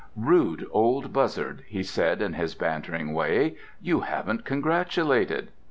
"Rude old Buzzard," he said in his bantering way, "you haven't congratulated!"